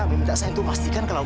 pak kenapa sedang buka